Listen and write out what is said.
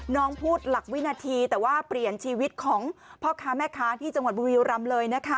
พูดหลักวินาทีแต่ว่าเปลี่ยนชีวิตของพ่อค้าแม่ค้าที่จังหวัดบุรีรำเลยนะคะ